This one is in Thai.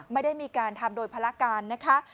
ไม่ได้มีการทำโดยภารการนะคะ